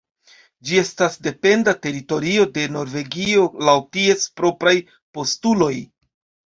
Ĝi estas dependa teritorio de Norvegio laŭ ties propraj postuloj.